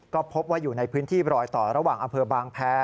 ก็พบว่าอยู่ในพื้นที่รอยต่อระหว่างอำเภอบางแพร